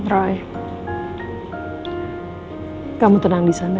roy kamu tenang di sana